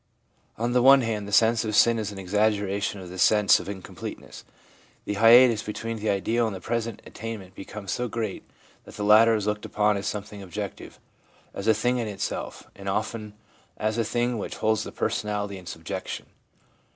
On the one hand, the sense of sin is an exaggeration of the sense of incompleteness ; the hiatus between the ideal and the present attainment becomes so great that the latter is looked upon as something objective, as a thing in itself, and often as a thing which holds the personality in subjection.